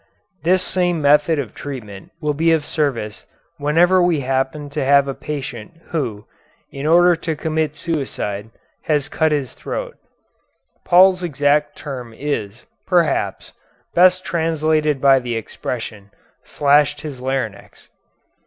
This same method of treatment will be of service whenever we happen to have a patient who, in order to commit suicide, has cut his throat. Paul's exact term is, perhaps, best translated by the expression, slashed his larynx.